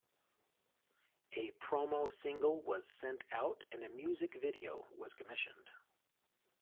A promo single was sent out and a music video was commissioned.